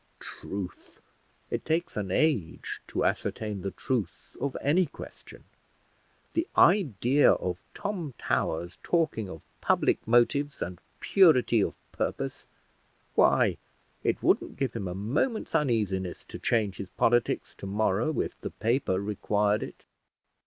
Truth! it takes an age to ascertain the truth of any question! The idea of Tom Towers talking of public motives and purity of purpose! Why, it wouldn't give him a moment's uneasiness to change his politics to morrow, if the paper required it."